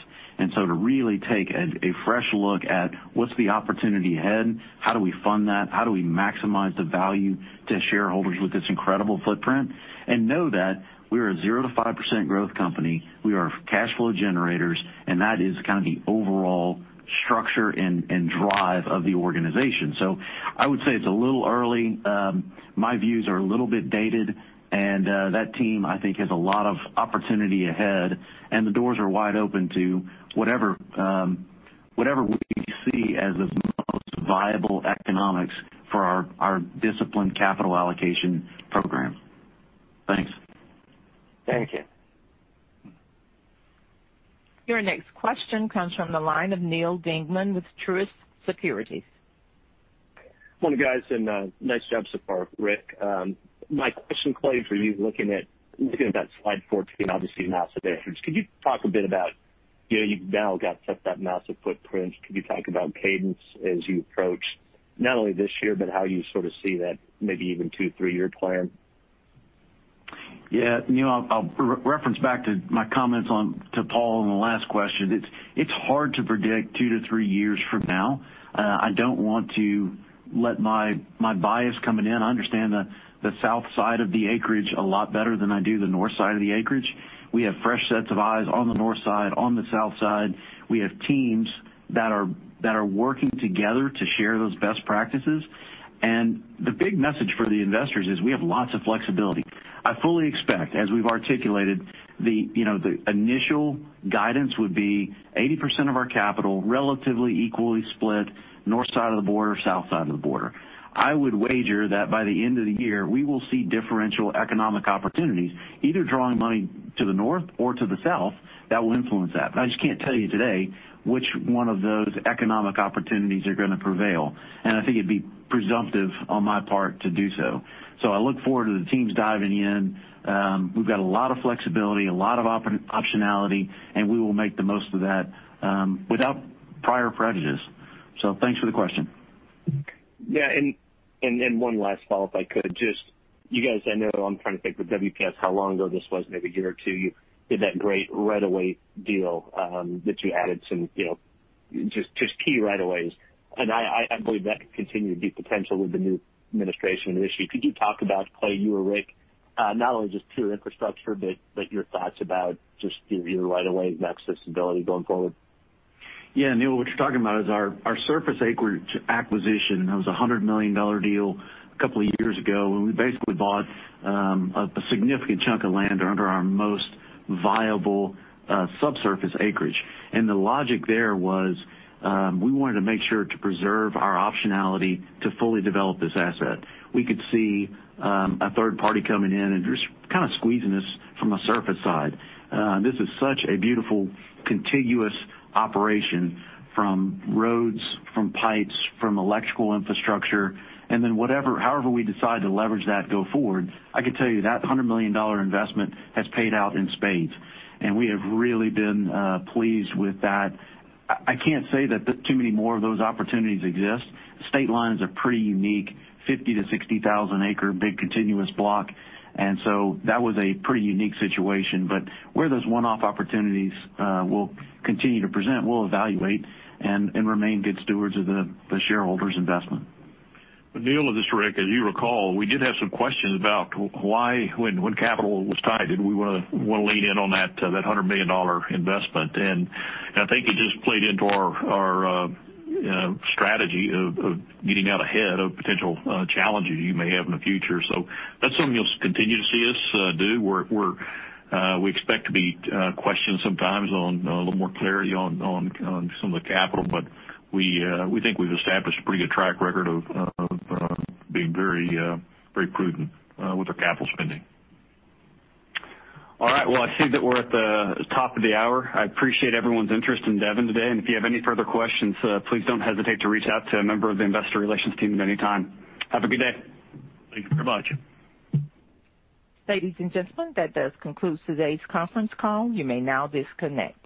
D: To really take a fresh look at what's the opportunity ahead, how do we fund that? How do we maximize the value to shareholders with this incredible footprint? Know that we are a 0%-5% growth company. We are cash flow generators, and that is kind of the overall structure and drive of the organization. I would say it's a little early. My views are a little bit dated, and that team, I think, has a lot of opportunity ahead, and the doors are wide open to whatever we see as the most viable economics for our disciplined capital allocation program. Thanks.
L: Thank you.
A: Your next question comes from the line of Neal Dingmann with Truist Securities.
M: Morning, guys. Nice job so far, Rick. My question, Clay, for you, looking at that slide 14, obviously, massive acreage, could you talk about cadence as you approach not only this year, but how you sort of see that maybe even two, three-year plan?
D: Yeah, Neal, I'll reference back to my comments to Paul on the last question. It's hard to predict two to three years from now. I don't want to let my bias coming in. I understand the south side of the acreage a lot better than I do the north side of the acreage. We have fresh sets of eyes on the north side, on the south side. We have teams that are working together to share those best practices. The big message for the investors is we have lots of flexibility. I fully expect, as we've articulated, the initial guidance would be 80% of our capital, relatively equally split north side of the border, south side of the border. I would wager that by the end of the year, we will see differential economic opportunities, either drawing money to the north or to the south that will influence that. I just can't tell you today which one of those economic opportunities are going to prevail, and I think it'd be presumptive on my part to do so. I look forward to the teams diving in. We've got a lot of flexibility, a lot of optionality, and we will make the most of that without prior prejudice. Thanks for the question.
M: Yeah, one last follow-up, if I could. Just you guys, I know I'm trying to think with WPX how long ago this was, maybe a year or two. You did that great right of way deal that you added some just key right of ways. I believe that could continue to be potential with the new administration issue. Could you talk about, Clay, you or Rick, not only just pure infrastructure, but your thoughts about just your right of way and accessibility going forward?
D: Yeah, Neal, what you're talking about is our surface acreage acquisition. That was a $100 million deal a couple of years ago, we basically bought a significant chunk of land under our most viable subsurface acreage. The logic there was we wanted to make sure to preserve our optionality to fully develop this asset. We could see a third party coming in and just kind of squeezing us from a surface side. This is such a beautiful contiguous operation from roads, from pipes, from electrical infrastructure, however we decide to leverage that go forward, I can tell you that $100 million investment has paid out in spades, we have really been pleased with that. I can't say that too many more of those opportunities exist. Stateline's are pretty unique, 50,000-60,000 acre, big continuous block, that was a pretty unique situation. Where those one-off opportunities will continue to present, we'll evaluate and remain good stewards of the shareholders' investment.
C: Neal, this is Rick. As you recall, we did have some questions about why when capital was tight, did we want to lean in on that $100 million investment? I think it just played into our strategy of getting out ahead of potential challenges you may have in the future. That's something you'll continue to see us do. We expect to be questioned sometimes on a little more clarity on some of the capital. We think we've established a pretty good track record of being very prudent with our capital spending.
B: All right. Well, I see that we're at the top of the hour. I appreciate everyone's interest in Devon today, and if you have any further questions, please don't hesitate to reach out to a member of the investor relations team at any time. Have a good day.
C: Thank you very much.
A: Ladies and gentlemen, that does conclude today's conference call. You may now disconnect.